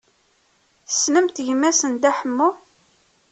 Tessnemt gma-s n Dda Ḥemmu?